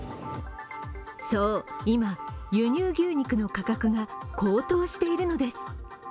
そう今、輸入牛肉の価格が高騰しているのです。